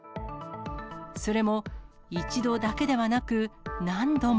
それも１度だけではなく、何度も。